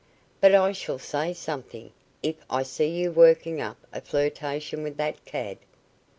"But I shall say something, if I see you working up a flirtation with that cad."